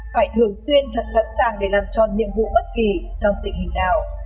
phải thường xuyên thật sẵn sàng để làm tròn nhiệm vụ bất kỳ trong tình hình nào